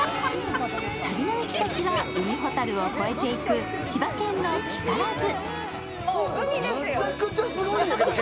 旅の行き先は海ほたるを越えていく千葉県の木更津。